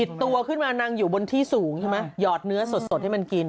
ตัวขึ้นมานั่งอยู่บนที่สูงใช่ไหมหยอดเนื้อสดให้มันกิน